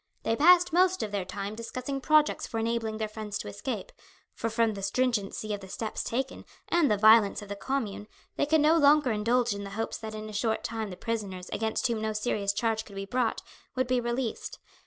They passed most of their time discussing projects for enabling their friends to escape, for from the stringency of the steps taken, and the violence of the Commune, they could no longer indulge in the hopes that in a short time the prisoners against whom no serious charge could be brought, would be released.